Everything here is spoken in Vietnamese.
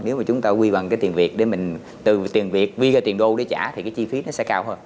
nếu mà chúng ta quy bằng cái tiền việt để mình từ tiền việc đi ra tiền đô để trả thì cái chi phí nó sẽ cao hơn